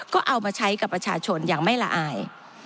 ก็เอามาใช้กับประชาชนอย่างไม่ละอาย